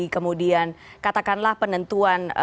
kemudian katakanlah penentuan